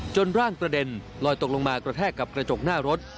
ร่างกระเด็นลอยตกลงมากระแทกกับกระจกหน้ารถ